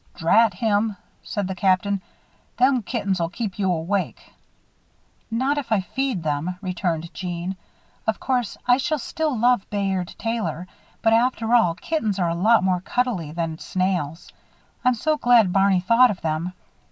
"Drat him," said the Captain, "them kittens'll keep you awake." "Not if I feed them," returned Jeanne. "Of course I shall still love Bayard Taylor, but after all, kittens are a lot more cuddle y than snails. I'm so glad Barney thought of them.